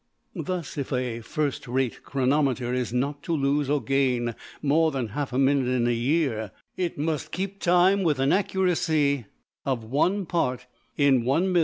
'' Thus, if a first rate chronometer is not to lose or gain more than half a minute in a year, it must keep time with an accuracy of $1$~part in $1,051,200$.